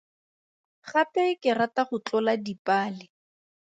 Gape ke rata go tlola dipale.